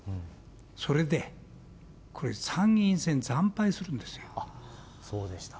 それでこれ参議院選、惨敗するんあっ、そうでした。